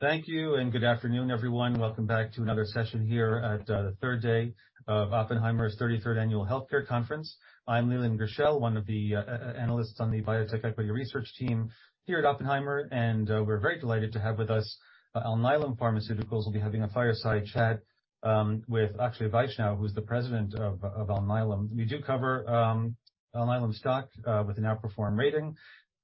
Thank you. Good afternoon, everyone. Welcome back to another session here at Oppenheimer's 33rd annual healthcare conference. I'm Leland Gershell, one of the analysts on the biotech equity research team here at Oppenheimer, and we're very delighted to have with us Alnylam Pharmaceuticals. We'll be having a fireside chat with Akshay Vaishnaw, who's the President of Alnylam. We do cover Alnylam's stock with an outperform rating.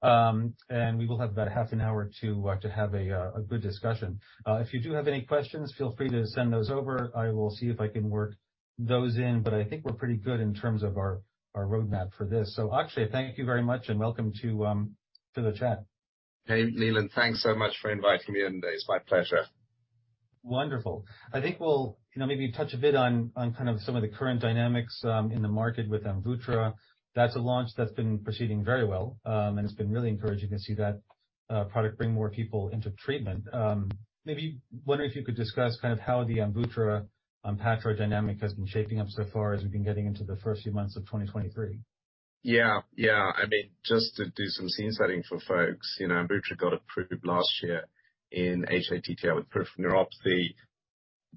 We will have about half an hour to have a good discussion. If you do have any questions, feel free to send those over. I will see if I can work those in, but I think we're pretty good in terms of our roadmap for this. Akshay, thank you very much and welcome to the chat. Hey, Leland. Thanks so much for inviting me in today. It's my pleasure. Wonderful. I think we'll, you know, maybe touch a bit on kind of some of the current dynamics in the market with AMVUTTRA. That's a launch that's been proceeding very well. It's been really encouraging to see that product bring more people into treatment. Maybe wondering if you could discuss kind of how the AMVUTTRA ONPATTRO dynamic has been shaping up so far as we've been getting into the first few months of 2023. Yeah. Yeah. I mean, just to do some scene setting for folks, you know, AMVUTRA got approved last year in hATTR with peripheral neuropathy.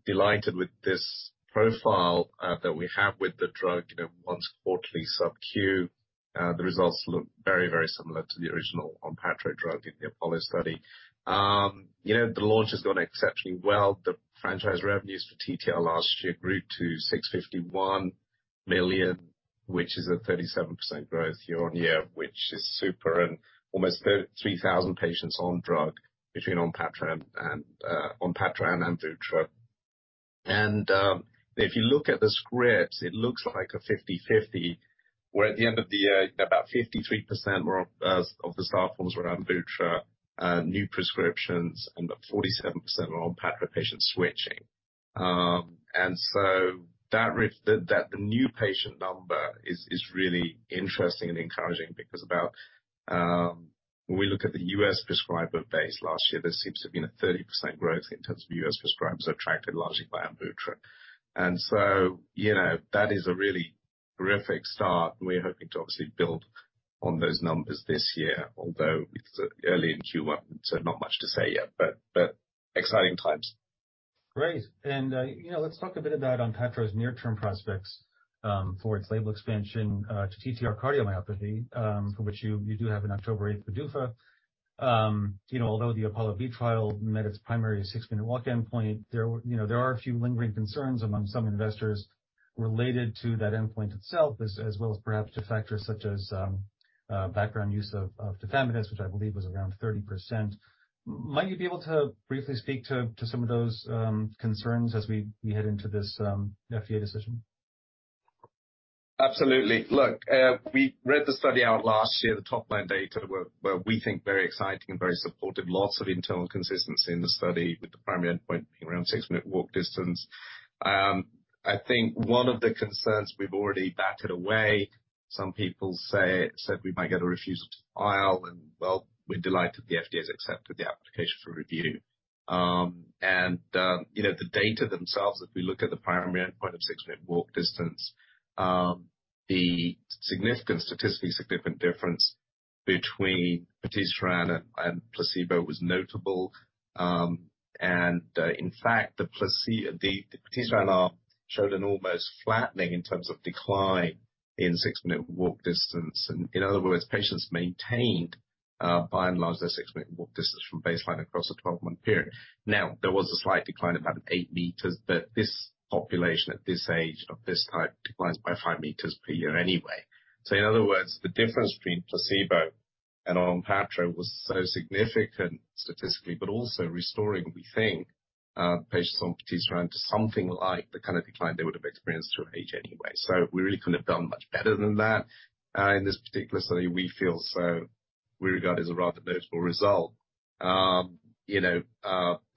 Delighted with this profile that we have with the drug, you know, once quarterly SubQ. The results look very, very similar to the original ONPATTRO drug in the APOLLO study. You know, the launch has gone exceptionally well. The franchise revenues for TTL last year grew to $651 million, which is a 37% growth year-on-year, which is super. Almost 3,000 patients on drug between ONPATTRO and AMVUTRA. If you look at the scripts, it looks like a 50/50, where at the end of the year about 53% were of the start forms were AMVUTRA new prescriptions, and 47% were ONPATTRO patients switching. The new patient number is really interesting and encouraging because when we look at the U.S. prescriber base last year, there seems to have been a 30% growth in terms of U.S. prescribers attracted largely by AMVUTTRA. You know, that is a really terrific start, and we're hoping to obviously build on those numbers this year, although it's early in Q1, so not much to say yet, but exciting times. Great. You know, let's talk a bit about ONPATTRO's near-term prospects for its label expansion to TTR cardiomyopathy, for which you do have an October 8th PDUFA. You know, although the APOLLO-B trial met its primary six-minute walk endpoint, there were, you know, there are a few lingering concerns among some investors related to that endpoint itself, as well as perhaps to factors such as background use of tafamidis, which I believe was around 30%. Might you be able to briefly speak to some of those concerns as we head into this FDA decision? Absolutely. Look, we read the study out last year. The top-line data were, we think, very exciting and very supportive. Lots of internal consistency in the study with the primary endpoint being around six-minute walk distance. I think one of the concerns we've already batted away, some people said we might get a refusal to file. Well, we're delighted the FDA has accepted the application for review. You know, the data themselves, if we look at the primary endpoint of six-minute walk distance, the significant, statistically significant difference between patisiran and placebo was notable. In fact, the patisiran arm showed an almost flattening in terms of decline in six-minute walk distance. In other words, patients maintained, by and large, their six-minute walk distance from baseline across a 12-month period. There was a slight decline of about 8 meters, but this population at this age of this type declines by 5 meters per year anyway. In other words, the difference between placebo and ONPATTRO was so significant statistically, but also restoring, we think, patients on patisiran to something like the kind of decline they would have experienced through age anyway. We really couldn't have done much better than that in this particular study. We feel we regard it as a rather notable result. you know,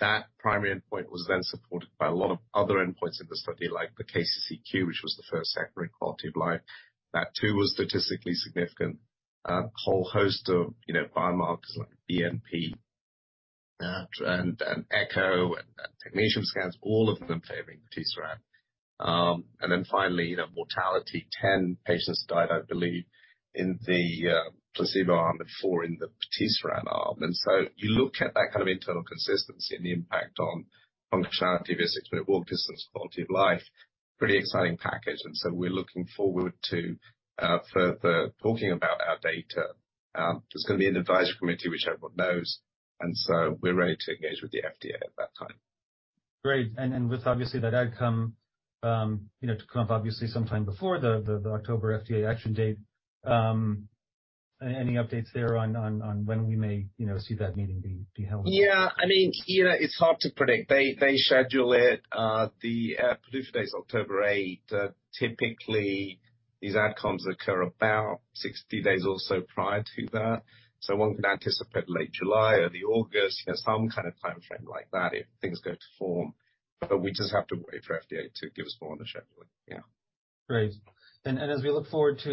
that primary endpoint was then supported by a lot of other endpoints in the study, like the KCCQ, which was the first secondary quality of life. That too was statistically significant. A whole host of, you know, biomarkers like BNP, and Echocardiogram and Technetium scans, all of them favoring patisiran. Finally, you know, mortality. 10 patients died, I believe, in the placebo arm and 4 in the patisiran arm. You look at that kind of internal consistency and the impact on functionality of a six-minute walk distance, quality of life, pretty exciting package. We're looking forward to further talking about our data. There's gonna be an advisory committee, which everyone knows. We're ready to engage with the FDA at that time. Great. With obviously that outcome, you know, to come up obviously sometime before the October FDA action date. Any updates there on when we may, you know, see that meeting be held? Yeah. I mean, you know, it's hard to predict. They schedule it. The PDUFA day is October eighth. Typically these outcomes occur about 60 days or so prior to that. One can anticipate late July, early August, you know, some kind of timeframe like that if things go to form. We just have to wait for FDA to give us more on the scheduling. Yeah. Great. As we look forward to,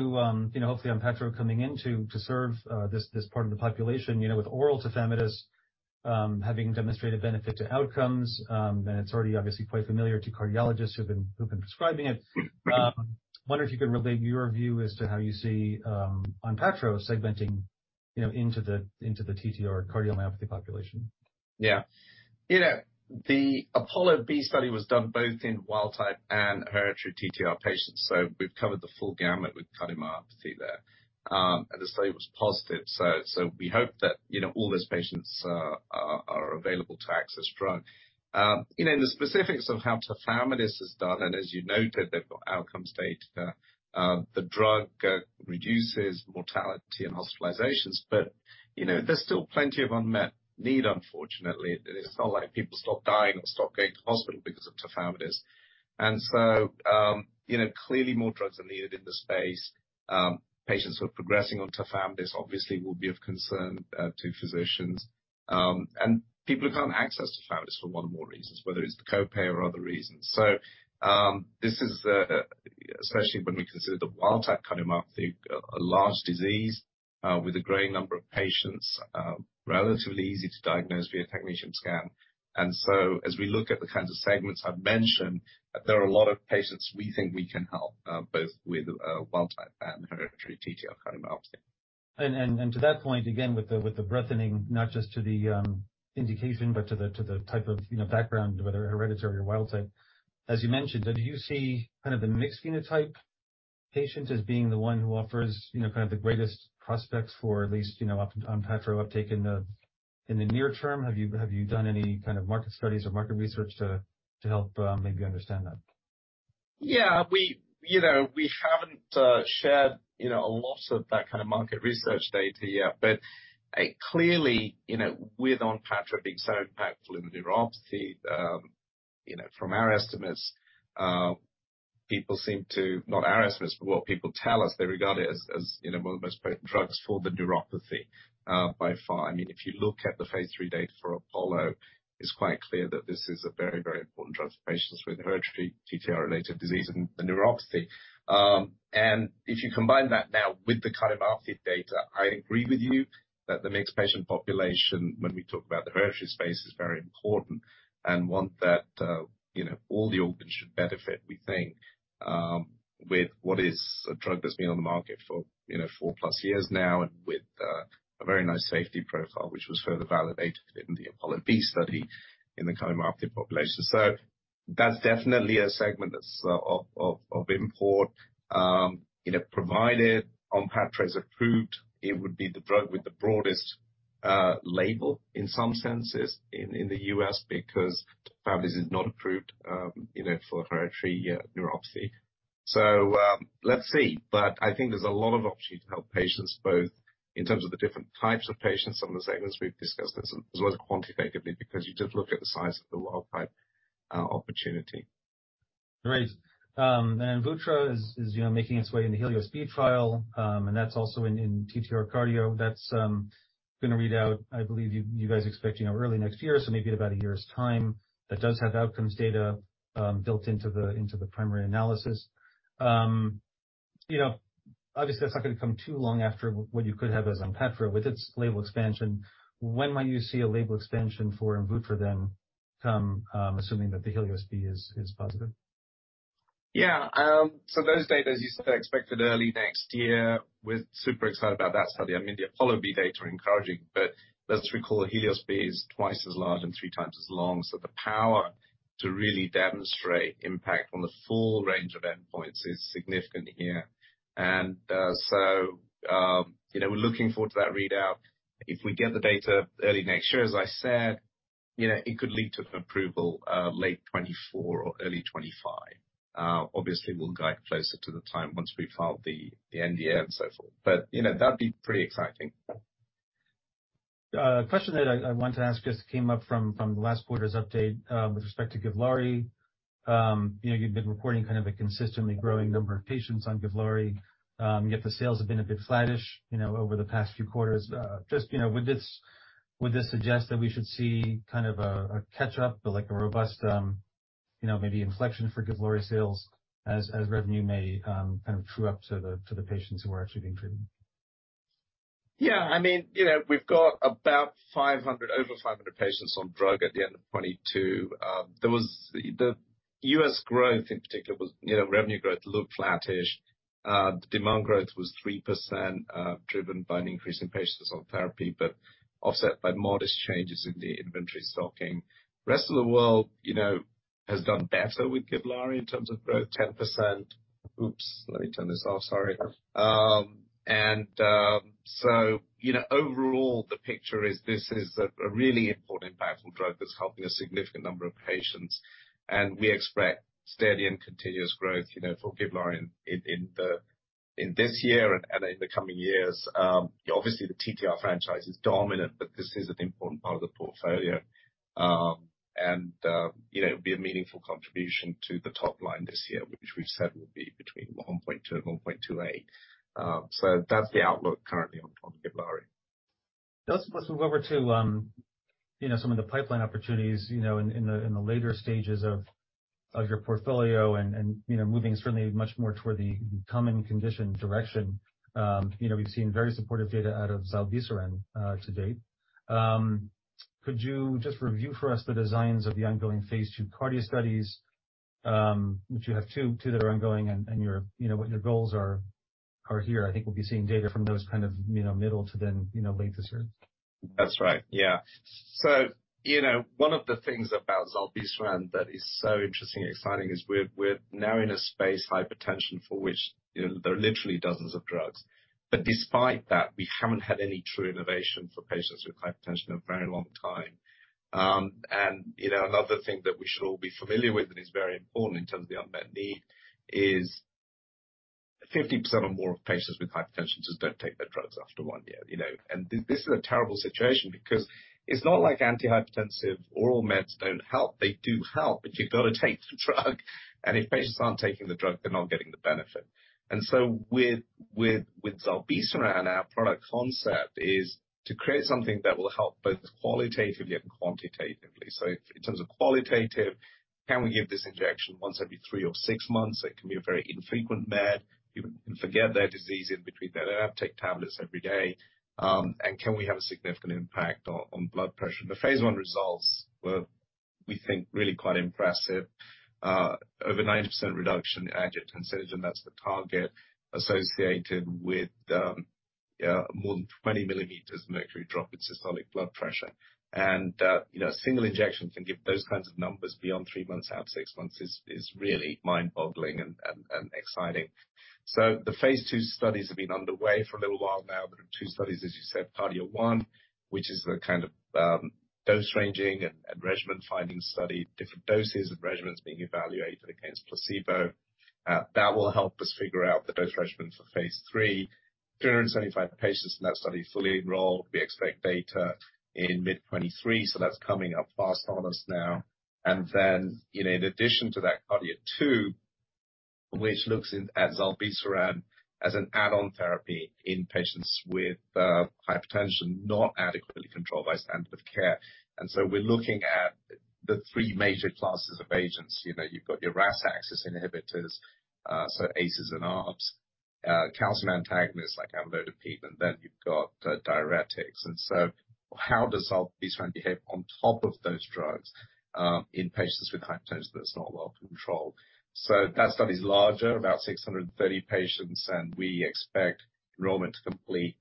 you know, hopefully ONPATTRO coming in to serve, this part of the population. You know, with oral tafamidis-having demonstrated benefit to outcomes, then it's already obviously quite familiar to cardiologists who've been prescribing it. Wonder if you can relate your view as to how you see, ONPATTRO segmenting, you know, into the TTR cardiomyopathy population. Yeah. You know, the APOLLO-B study was done both in wild type and hereditary TTR patients, so we've covered the full gamut with cardiomyopathy there. The study was positive, so we hope that, you know, all those patients are available to access drug. You know, in the specifics of how Tafamidis has done, and as you noted, they've got outcome data. The drug reduces mortality and hospitalizations, but, you know, there's still plenty of unmet need, unfortunately. It's not like people stop dying or stop going to hospital because of Tafamidis. So, you know, clearly more drugs are needed in the space. Patients who are progressing on Tafamidis obviously will be of concern to physicians. People who can't access Tafamidis for one more reasons, whether it's the copay or other reasons. This is especially when we consider the wild type cardiomyopathy a large disease, with a growing number of patients, relatively easy to diagnose via a Technetium scan. As we look at the kinds of segments I've mentioned, there are a lot of patients we think we can help, both with wild type and hereditary TTR cardiomyopathy. To that point, again, with the broadening, not just to the indication, but to the type of, you know, background, whether hereditary or wild type. As you mentioned, do you see kind of the mixed phenotype patient as being the one who offers, you know, kind of the greatest prospects for at least, you know, ONPATTRO uptake in the, in the near term? Have you done any kind of market studies or market research to help maybe understand that? Yeah. We, you know, we haven't shared, you know, a lot of that kind of market research data yet, but clearly, you know, with ONPATTRO being so impactful in the neuropathy, you know, from our estimates, Not our estimates, but what people tell us, they regard it as, you know, one of the most potent drugs for the neuropathy by far. I mean, if you look at the Phase III data for APOLLO, it's quite clear that this is a very, very important drug for patients with hereditary TTR-related disease and the neuropathy. If you combine that now with the cardiomyopathy data, I agree with you that the mixed patient population, when we talk about the hereditary space, is very important and one that, you know, all the organs should benefit, we think, with what is a drug that's been on the market for, you know, 4+ years now and with a very nice safety profile which was further validated in the APOLLO-B study in the cardiomyopathy population. That's definitely a segment that's of import. You know, provided ONPATTRO is approved, it would be the drug with the broadest label in some senses in the U.S. because tafamidis is not approved, you know, for hereditary neuropathy. Let's see. I think there's a lot of opportunity to help patients, both in terms of the different types of patients, some of the segments we've discussed, as well as quantitatively, because you just look at the size of the wild type opportunity. Right. Vutrisiran is, you know, making its way into HELIOS-B trial. That's also in TTR cardio. That's gonna read out, I believe you guys expect, you know, early next year, so maybe in about a year's time. That does have outcomes data built into the primary analysis. Obviously that's not gonna come too long after what you could have as ONPATTRO with its label expansion. When might you see a label expansion for vutrisiran then come, assuming that the HELIOS-B is positive? Those data, as you said, are expected early next year. We're super excited about that study. I mean, the APOLLO-B data are encouraging, but let's recall HELIOS-B is 2x as large and 3x as long. The power to really demonstrate impact on the full range of endpoints is significant here. You know, we're looking forward to that readout. If we get the data early next year, as I said, you know, it could lead to approval late 2024 or early 2025. We'll guide closer to the time once we've filed the NDA and so forth. You know, that'd be pretty exciting. A question that I want to ask just came up from the last quarter's update with respect to GIVLAARI. You know, you've been reporting kind of a consistently growing number of patients on GIVLAARI. The sales have been a bit flattish, you know, over the past few quarters. Just, you know, would this suggest that we should see kind of a catch up, but like a robust, you know, maybe inflection for GIVLAARI sales as revenue may kind of true up to the patients who are actually being treated? I mean, you know, we've got about 500, over 500 patients on drug at the end of 2022. The U.S. growth in particular was, you know, revenue growth looked flattish. The demand growth was 3%, driven by an increase in patients on therapy, but offset by modest changes in the inventory stocking. Rest of the world, you know, has done better with Givlaari in terms of growth, 10%. Oops, let me turn this off. Sorry. Overall, you know, the picture is this is a really important, powerful drug that's helping a significant number of patients. We expect steady and continuous growth, you know, for Givlaari in this year and in the coming years. Obviously, the TTR franchise is dominant, this is an important part of the portfolio. You know, it'll be a meaningful contribution to the top line this year, which we've said will be between $1.2 billion and $1.28 billion. That's the outlook currently on Givlaari. Let's move over to, you know, some of the pipeline opportunities, you know, in the later stages of your portfolio and, you know, moving certainly much more toward the common condition direction. You know, we've seen very supportive data out of zilebesiran to date. Could you just review for us the designs of the ongoing Phase II KARDIA studies, which you have 2 that are ongoing, and your, you know, what your goals are here. I think we'll be seeing data from those kind of, you know, middle to then, you know, late this year. That's right. Yeah. You know, one of the things about zilebesiran that is so interesting and exciting is we're now in a space hypertension for which, you know, there are literally dozens of drugs. But despite that, we haven't had any true innovation for patients with hypertension in a very long time. You know, another thing that we should all be familiar with and is very important in terms of the unmet need is 50% or more of patients with hypertension just don't take their drugs after 1 year, you know. This is a terrible situation because it's not like antihypertensive oral meds don't help. They do help, but you've got to take the drug. If patients aren't taking the drug, they're not getting the benefit. With zilebesiran, our product concept is to create something that will help both qualitatively and quantitatively. In terms of qualitative, can we give this injection once every 3 or 6 months? It can be a very infrequent med. People can forget their disease in between take tablets every day. Can we have a significant impact on blood pressure? The Phase I results were, we think, really quite impressive. Over 90% reduction in angiotensin, that's the target associated with more than 20 millimeters mercury drop in systolic blood pressure. You know, a single injection can give those kinds of numbers beyond 3 months, out to 6 months, is really mind-boggling and exciting. The Phase II studies have been underway for a little while now. There are 2 studies, as you said, KARDIA-1, which is the kind of dose ranging and regimen finding study, different doses and regimens being evaluated against placebo. That will help us figure out the dose regimen for Phase III. 375 patients in that study fully enrolled. We expect data in mid 2023, that's coming up fast on us now. You know, in addition to that, KARDIA-2, which looks at zilebesiran as an add-on therapy in patients with hypertension not adequately controlled by standard of care. We're looking at the 3 major classes of agents. You know, you've got your RAS axis inhibitors, so ACEs and ARBs, calcium antagonists like amlodipine, and then you've got diuretics. How does zilebesiran behave on top of those drugs in patients with hypertension that's not well controlled? That study is larger, about 630 patients, and we expect enrollment to complete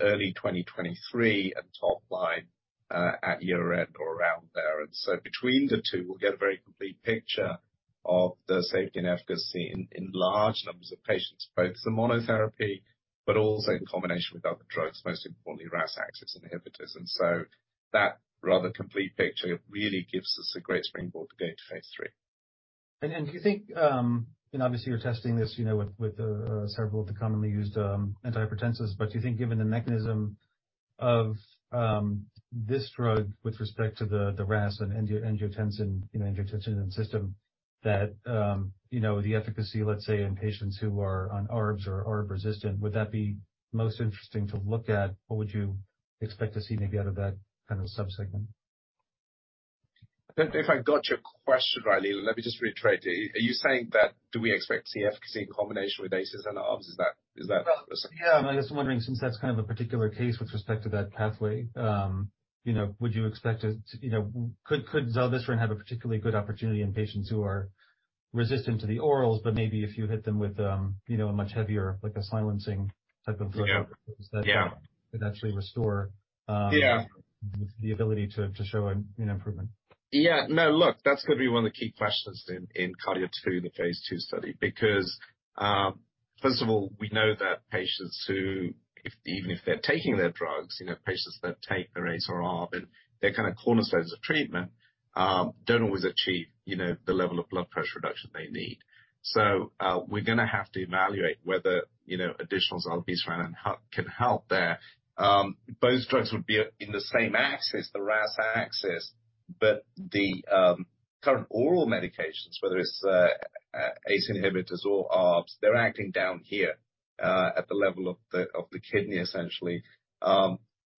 early 2023 and top line at year-end or around there. Between the two, we'll get a very complete picture of the safety and efficacy in large numbers of patients, both the monotherapy, but also in combination with other drugs, most importantly, RAS axis inhibitors. That rather complete picture really gives us a great springboard to go into Phase III. Do you think, obviously you're testing this with several of the commonly used antihypertensives, but do you think given the mechanism of this drug with respect to the RAS and angiotensin system that the efficacy, let's say, in patients who are on ARBs or are ARB-resistant, would that be most interesting to look at? What would you expect to see maybe out of that kind of subsegment? If I got your question right, Leland, let me just reiterate. Are you saying that do we expect to see efficacy in combination with ACEs and ARBs? Is that? Yeah. I'm just wondering since that's kind of a particular case with respect to that pathway, you know, would you expect it to, you know... Could zilebesiran have a particularly good opportunity in patients who are resistant to the orals, but maybe if you hit them with, you know, a much heavier like a silencing type of? Yeah. that could actually restore. Yeah. the ability to show an improvement. No, look, that's going to be one of the key questions in KARDIA-2, the Phase II study. First of all, we know that patients who even if they're taking their drugs, you know, patients that take their ACE or ARB, and they're kind of cornerstones of treatment, don't always achieve, you know, the level of blood pressure reduction they need. We're gonna have to evaluate whether, you know, additional zilebesiran can help there. Both drugs would be in the same axis, the RAS axis, but the current oral medications, whether it's, ACE inhibitors or ARBs, they're acting down here, at the level of the, of the kidney, essentially.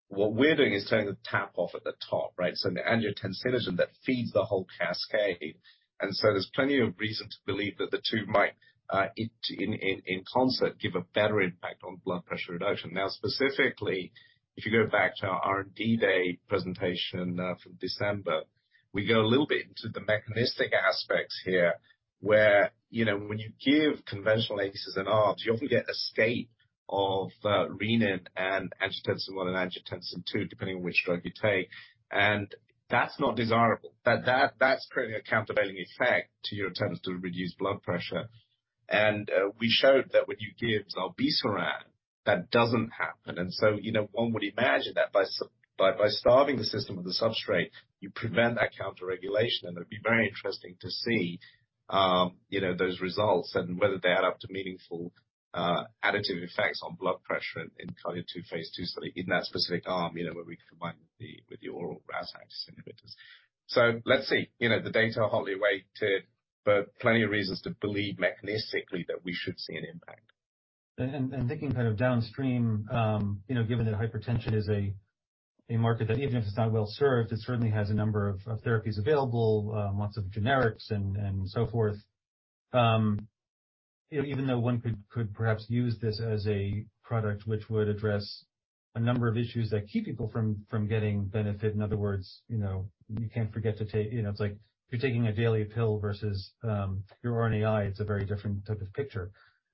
What we're doing is turning the tap off at the top, right? The angiotensin that feeds the whole cascade. There's plenty of reason to believe that the two might, in concert, give a better impact on blood pressure reduction. Specifically, if you go back to our R&D Day presentation, from December, we go a little bit into the mechanistic aspects here, where, you know, when you give conventional ACEs and ARBs, you often get a state of renin and Angiotensin I and Angiotensin II, depending on which drug you take. That's not desirable. That's creating a countervailing effect to your attempts to reduce blood pressure. We showed that when you give zilebesiran, that doesn't happen. You know, one would imagine that by starving the system of the substrate, you prevent that counterregulation. It'll be very interesting to see, you know, those results and whether they add up to meaningful, additive effects on blood pressure in KARDIA-2, Phase II study in that specific arm, you know, where we combine with the, with the oral RAS axis inhibitors. Let's see. You know, the data are hotly awaited, but plenty of reasons to believe mechanistically that we should see an impact. Thinking kind of downstream, you know, given that hypertension is a market that even if it's not well-served, it certainly has a number of therapies available, lots of generics and so forth. Even though one could perhaps use this as a product which would address a number of issues that keep people from getting benefit. In other words, you know, you can't forget to take... You know, it's like if you're taking a daily pill versus, your RNAi, it's a very different type of picture.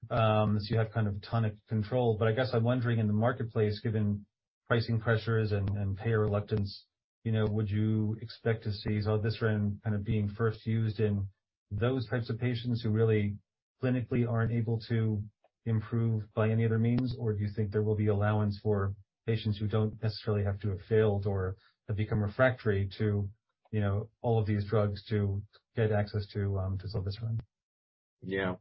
So you have kind of tonic control. I guess I'm wondering in the marketplace, given pricing pressures and payer reluctance, you know, would you expect to see zilebesiran kind of being first used in those types of patients who really clinically aren't able to improve by any other means? Do you think there will be allowance for patients who don't necessarily have to have failed or have become refractory to, you know, all of these drugs to get access to zilebesiran? Yeah.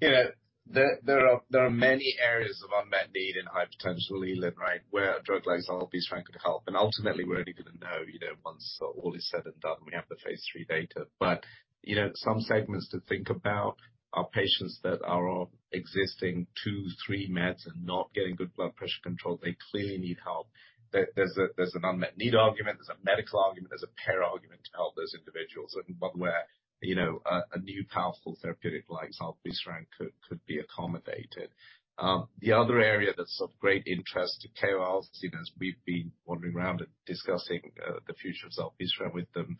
You know, there are many areas of unmet need in hypertension, zilebesiran, right, where a drug like zilebesiran could help. Ultimately, we're only gonna know, you know, once all is said and done, we have the Phase III data. You know, some segments to think about are patients that are on existing two, three meds and not getting good blood pressure control. They clearly need help. There's an unmet need argument, there's a medical argument, there's a payer argument to help those individuals and one where, you know, a new powerful therapeutic like zilebesiran could be accommodated. The other area that's of great interest to cardio, obviously, as we've been wandering around and discussing the future of zilebesiran with them.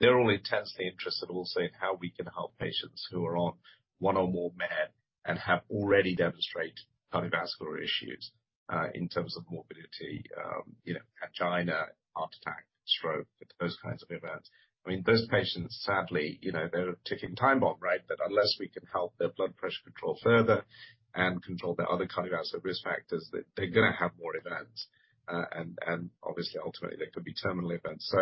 They're all intensely interested also in how we can help patients who are on one or more med and have already demonstrate cardiovascular issues, in terms of morbidity, you know, angina, heart attack, stroke, those kinds of events. I mean, those patients, sadly, you know, they're a ticking time bomb, right? That unless we can help their blood pressure control further and control their other cardiovascular risk factors, that they're gonna have more events. Obviously, ultimately, they could be terminal events.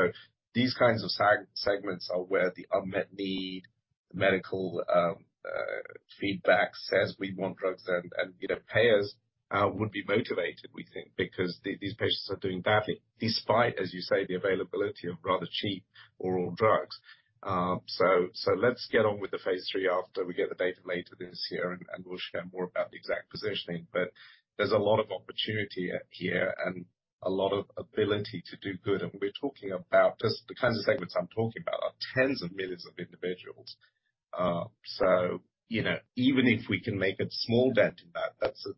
These kinds of segments are where the unmet need medical, feedback says we want drugs and, you know, payers, would be motivated, we think, because these patients are doing badly, despite, as you say, the availability of rather cheap oral drugs. Let's get on with the Phase III after we get the data later this year, and we'll share more about the exact positioning. There's a lot of opportunity here and a lot of ability to do good. We're talking about. Just the kinds of segments I'm talking about are tens of millions of individuals. You know, even if we can make a small dent in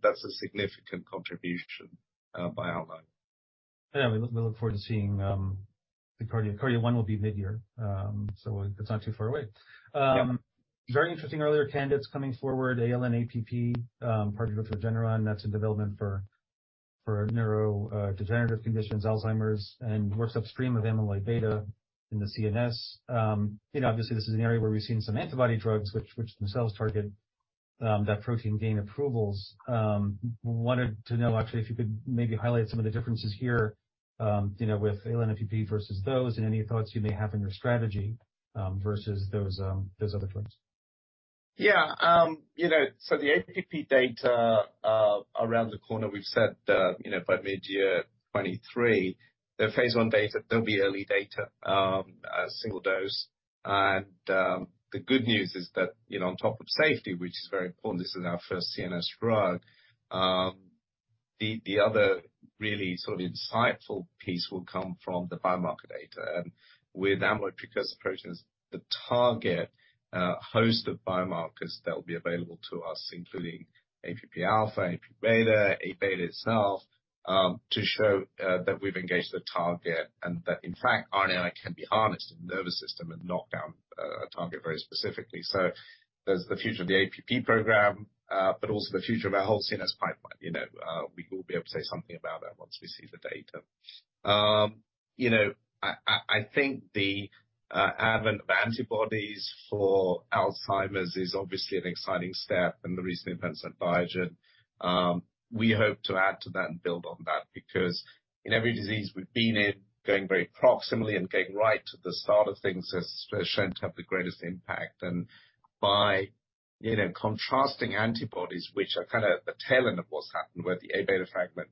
that's a significant contribution by our measure. Yeah. We look forward to seeing the cardio. KARDIA-1 will be mid-year. It's not too far away. Yeah. Very interesting earlier candidates coming forward, ALN-APP, part of go through Regeneron, that's in development for neurodegenerative conditions, Alzheimer's, and works upstream of Amyloid beta in the CNS. You know, obviously, this is an area where we've seen some antibody drugs which themselves target that protein gain approvals. Wanted to know, actually, if you could maybe highlight some of the differences here, you know, with ALN-APP versus those and any thoughts you may have on your strategy versus those other drugs. Yeah. you know, so the APP data, around the corner, we've said, you know, by mid-year 2023, the Phase I data, there'll be early data, single dose. The good news is that, you know, on top of safety, which is very important, this is our first CNS drug. The, the other really sort of insightful piece will come from the biomarker data. With amyloid precursor proteins, the target, host of biomarkers that will be available to us, including APP alpha, APP beta, A beta itself, to show that we've engaged the target and that in fact, RNAi can be harnessed in the nervous system and knock down a target very specifically. There's the future of the APP program, but also the future of our whole CNS pipeline. You know, we will be able to say something about that once we see the data. You know, I think the advent of antibodies for Alzheimer's is obviously an exciting step and the recent events at Biogen. We hope to add to that and build on that because in every disease we've been in, going very proximally and getting right to the start of things has shown to have the greatest impact. By, you know, contrasting antibodies which are kinda the tail end of what's happened, where the A beta fragment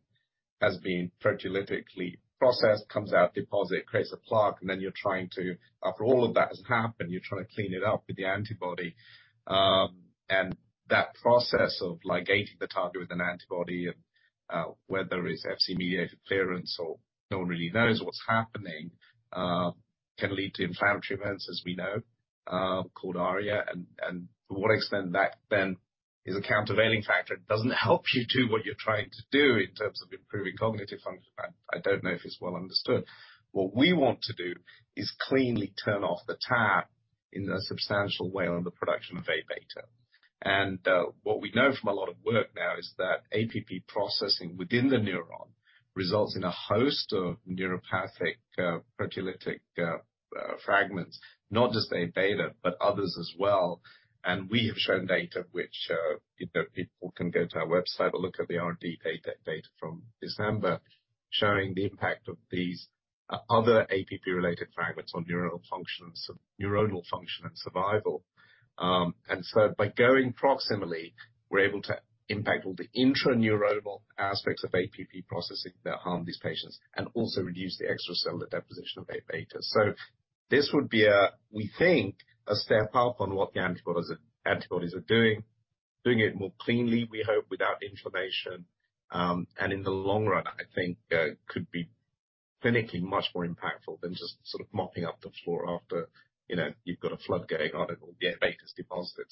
has been proteolytically processed, comes out, deposit, creates a plaque, and then after all of that has happened, you're trying to clean it up with the antibody. That process of ligating the target with an antibody, whether it's Fc-mediated clearance or no one really knows what's happening, can lead to inflammatory events, as we know, called ARIA. To what extent that then is a countervailing factor. It doesn't help you do what you're trying to do in terms of improving cognitive function. I don't know if it's well understood. What we want to do is cleanly turn off the tap in a substantial way on the production of Aβ. What we know from a lot of work now is that APP processing within the neuron results in a host of neuropathic, proteolytic, fragments. Not just Aβ, but others as well. We have shown data which, you know, people can go to our website or look at the R&D data from December, showing the impact of these other APP-related fragments on neural function and neuronal function and survival. So by going proximally, we're able to impact all the intraneuronal aspects of APP processing that harm these patients and also reduce the extracellular deposition of A beta. This would be we think a step up on what the antibodies are doing. Doing it more cleanly, we hope, without inflammation. In the long run, I think, could be clinically much more impactful than just sort of mopping up the floor after, you know, you've got a flood going on, and all the data's deposited.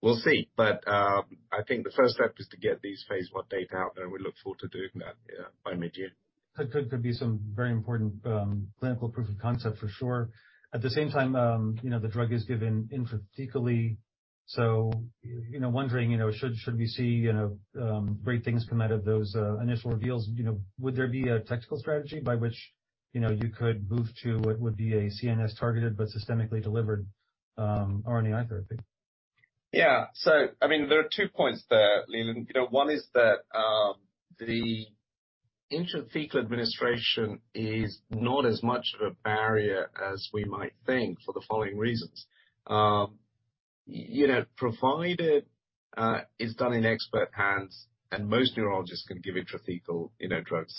We'll see. I think the first step is to get these Phase I data out there. We look forward to doing that, yeah, by mid-June. Could be some very important, clinical proof of concept for sure. At the same time, you know, the drug is given intrathecally, so you know, wondering, you know, should we see, you know, great things come out of those initial reveals? You know, would there be a technical strategy by which, you know, you could move to what would be a CNS targeted but systemically delivered, RNAi therapy? Yeah. I mean, there are two points there, Leland. You know, one is that the intrathecal administration is not as much of a barrier as we might think for the following reasons. You know, provided it's done in expert hands, and most neurologists can give intrathecal, you know, drugs.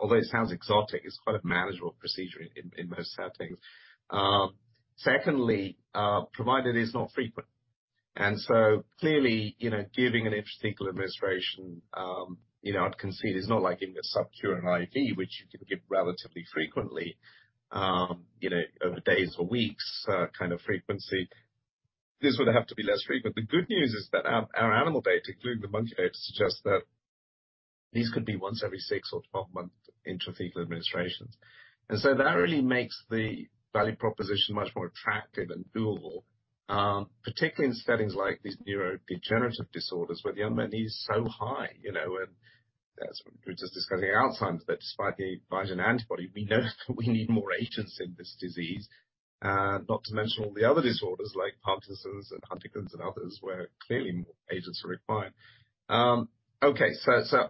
Although it sounds exotic, it's quite a manageable procedure in most settings. Secondly, provided is not frequent. Clearly, you know, giving an intrathecal administration, you know, I'd concede is not like giving a SubQ or an IV, which you can give relatively frequently, you know, over days or weeks, kind of frequency. This would have to be less frequent. The good news is that our animal data, including the monkey data, suggests that these could be once every six or 12 months intrathecal administrations. That really makes the value proposition much more attractive and doable, particularly in settings like these neurodegenerative disorders where the unmet need is so high, you know. As we were just discussing Alzheimer's, that despite the advent of antibody, we know we need more agents in this disease. Not to mention all the other disorders like Parkinson's and Huntington's and others, where clearly more agents are required. Okay.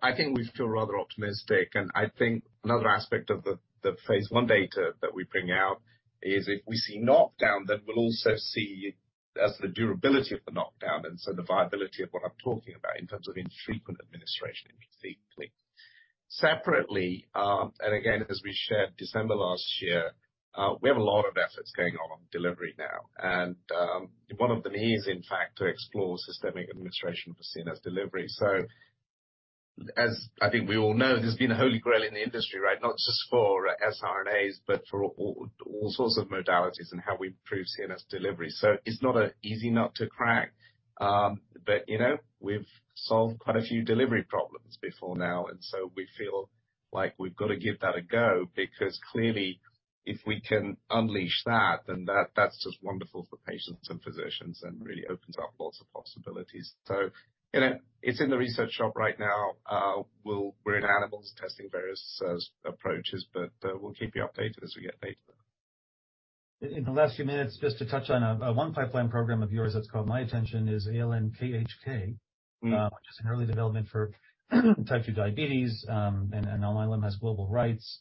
I think we feel rather optimistic. I think another aspect of the Phase I data that we bring out is if we see knockdown, then we'll also see as the durability of the knockdown and so the viability of what I'm talking about in terms of infrequent administration intrathecally. Separately, again, as we shared December last year, we have a lot of efforts going on on delivery now, and one of them is, in fact, to explore systemic administration for CNS delivery. As I think we all know, there's been a holy grail in the industry, right? Not just for siRNAs, but for all sorts of modalities and how we improve CNS delivery. It's not a easy nut to crack. You know, we've solved quite a few delivery problems before now, and so we feel like we've got to give that a go because clearly if we can unleash that, then that's just wonderful for patients and physicians and really opens up lots of possibilities. You know, it's in the research shop right now. We're in animals testing various approaches, but we'll keep you updated as we get data. In the last few minutes, just to touch on, one pipeline program of yours that's caught my attention is ALN-KHK. Mm-hmm. which is in early development for Type 2 diabetes, and Alnylam has global rights.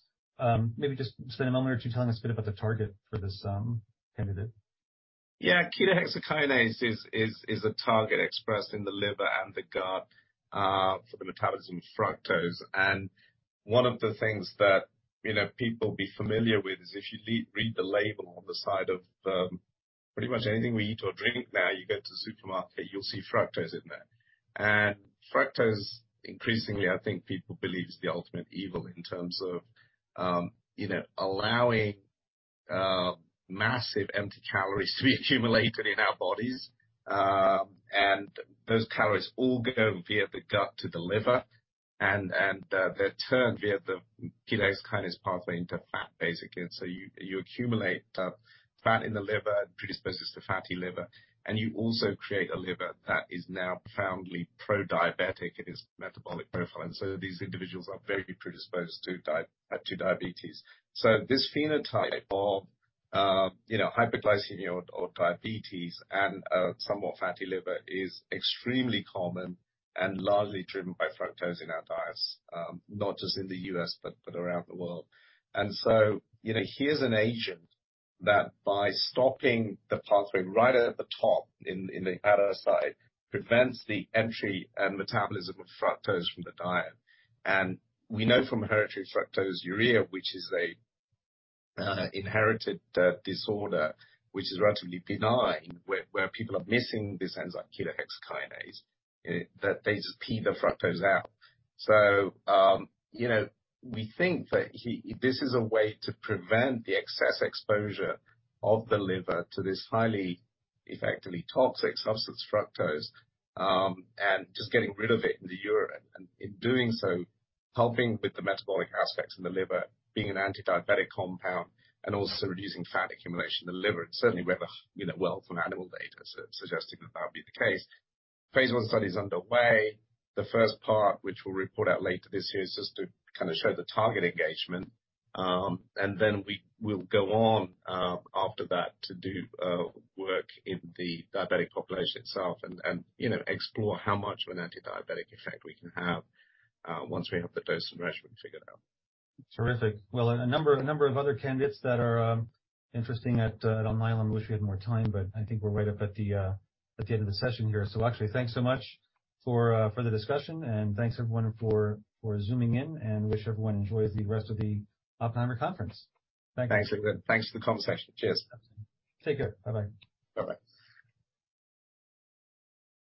Maybe just spend a moment or two telling us a bit about the target for this candidate. Yeah. Ketohexokinase is a target expressed in the liver and the gut, for the metabolism of fructose. One of the things that, you know, people will be familiar with is if you read the label on the side of pretty much anything we eat or drink now, you go to the supermarket, you'll see fructose in there. Fructose, increasingly, I think people believe is the ultimate evil in terms of, you know, allowing massive empty calories to be accumulated in our bodies. Those calories all go via the gut to the liver and, they're turned via the kinase pathway into fat, basically. So you accumulate fat in the liver and predisposes to fatty liver. You also create a liver that is now profoundly pro-diabetic in its metabolic profile. These individuals are very predisposed to Type 2 diabetes. This phenotype of, you know, hyperglycemia or diabetes and somewhat fatty liver is extremely common and largely driven by fructose in our diets, not just in the U.S. but around the world. You know, here's an agent that by stopping the pathway right at the top in the hepatocyte, prevents the entry and metabolism of fructose from the diet. We know from hereditary fructose intolerance, which is a inherited disorder which is relatively benign, where people are missing this enzyme ketohexokinase, that they just pee the fructose out. You know, we think that this is a way to prevent the excess exposure of the liver to this highly, effectively toxic substance, fructose, and just getting rid of it in the urine. In doing so, helping with the metabolic aspects in the liver being an anti-diabetic compound and also reducing fat accumulation in the liver. Certainly, we have a, you know, wealth of animal data suggesting that that would be the case. Phase I study is underway. The first part, which we'll report out later this year, is just to kind of show the target engagement. We will go on after that to do work in the diabetic population itself and, you know, explore how much of an anti-diabetic effect we can have once we have the dose and regimen figured out. Terrific. Well, a number of other candidates that are interesting at Alnylam. I wish we had more time, but I think we're right up at the end of the session here. Actually, thanks so much for the discussion, and thanks everyone for Zooming in, and wish everyone enjoys the rest of the Oppenheimer conference. Thank you. Thanks. Thanks for the conversation. Cheers. Take care. Bye-bye. Bye-bye.